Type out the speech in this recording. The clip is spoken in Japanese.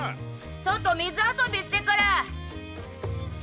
ちょっと水遊びしてくる！